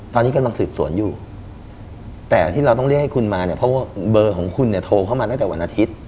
ตอนนี้กำลังสืบสวนอยู่แต่ที่เราต้องเรียกให้คุณมาเนี่ยเพราะว่าเบอร์ของคุณเนี่ยโทรเข้ามาตั้งแต่วันอาทิตย์